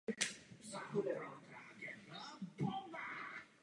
Soud ale dal nakonec za pravdu úřadům.